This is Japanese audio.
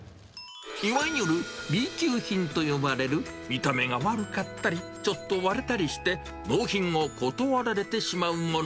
いわゆるＢ級品と呼ばれる見た目が悪かったり、ちょっと割れたりして、納品を断られてしまうもの。